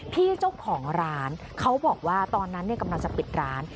พี่เจ้าของร้านเขาบอกว่าตอนนั้นกำลังจะปิดร้าน